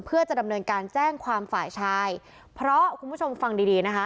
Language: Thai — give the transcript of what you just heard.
เพื่อจะดำเนินการแจ้งความฝ่ายชายเพราะคุณผู้ชมฟังดีดีนะคะ